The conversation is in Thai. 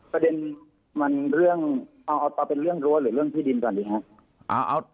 ประเด็นมันเรื่องเอาเป็นเรื่องรั้วหรือเรื่องที่ดินก่อนดีครับ